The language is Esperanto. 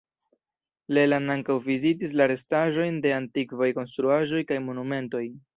Leland ankaŭ vizitis la restaĵojn de antikvaj konstruaĵoj kaj monumentoj.